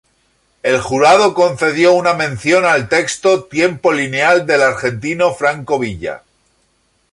El jurado concedió una mención al texto Tiempo lineal del argentino Franco Villa.